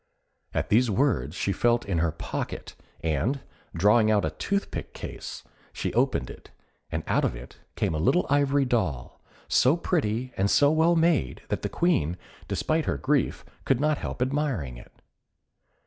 At these words she felt in her pocket, and, drawing out a toothpick case, she opened it, and out of it came a little ivory doll, so pretty and so well made that the Queen, despite her grief, could not help admiring it.